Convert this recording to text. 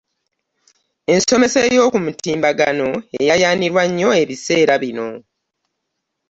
Ensomesa ey'okumutumbagano eyaayaanirwa nnyo ebiseera bino.